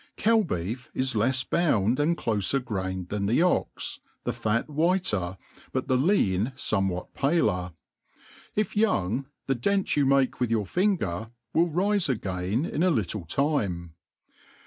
Cow beef is lefs bound and dofer grained than the ox, the at whiter, but the lean Ibmiftwhat paler ; if youhg, the dent rdu make with your finger will rife a^in in a little tiihe.